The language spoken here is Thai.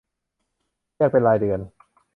แยกเป็นรายเดือน